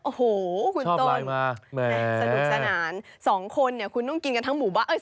โอ้โหคุณต้นสะดุขนานคุณชอบไลน์มา